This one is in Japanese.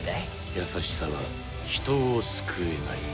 優しさは人を救えない。